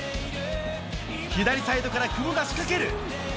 左サイドから久保が仕掛ける。